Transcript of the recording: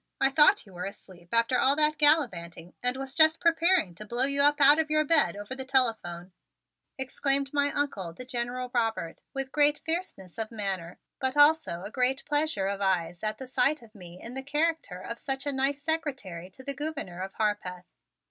I thought you were asleep after all that gallivanting, and was just preparing to blow you up out of bed over the telephone," exclaimed my Uncle, the General Robert, with great fierceness of manner but also a great pleasure of eyes at the sight of me in the character of such a nice Secretary to the Gouverneur of Harpeth.